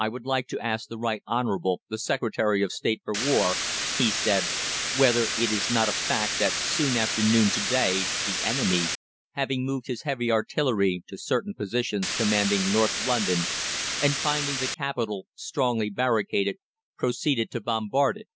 "I would like to ask the Right Honourable the Secretary of State for War," he said, "whether it is not a fact that soon after noon to day the enemy, having moved his heavy artillery to certain positions commanding North London, and finding the capital strongly barricaded, proceeded to bombard it?